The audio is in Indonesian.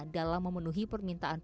dalam memenuhi permintaan pasangan